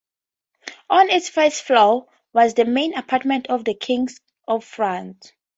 On its first floor was the main apartment of the King of France.